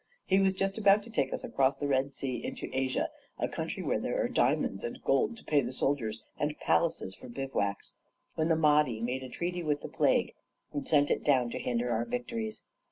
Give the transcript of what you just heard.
He was just about to take us across the Red Sea into Asia, a country where there are diamonds and gold to pay the soldiers and palaces for bivouacs, when the Mahdi made a treaty with the plague, and sent it down to hinder our victories.